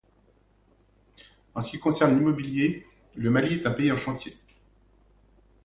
En ce qui concerne l'immobilier, le Mali est un pays en chantier.